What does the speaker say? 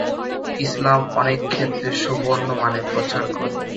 ইসলাম অনেক ক্ষেত্রে সুবর্ণ মানে প্রচার করে।